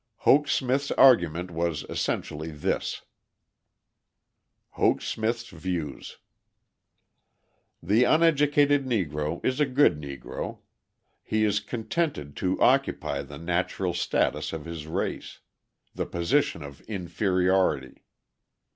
Hoke Smith's argument was essentially this: Hoke Smith's Views The uneducated Negro is a good Negro; "he is contented to occupy the natural status of his race, the position of inferiority."